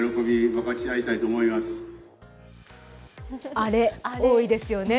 「アレ」多いですよね。